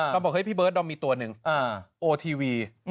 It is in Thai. ผมบอกพี่เบิร์ทเราอมมีตัวหนึ่งโอทีวี